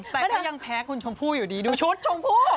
แต่ก็ยังแพ้คุณชมพู่อยู่ดีดูชุดชมพู่